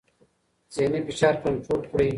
ذهني فشار کنټرول کړئ.